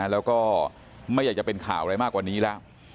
แล้วก็ไม่อยากจะเป็นข่าวอะไรมากกว่านี้แล้ว